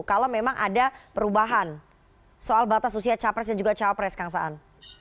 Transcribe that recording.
kalau memang ada perubahan soal batas usia capres dan juga cawapres kang saan